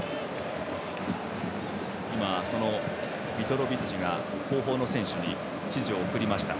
今、ミトロビッチが後方の選手に指示を送りました。